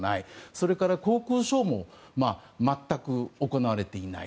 それから、航空ショーも全く行われていない。